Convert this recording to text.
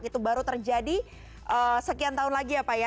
itu baru terjadi sekian tahun lagi ya pak ya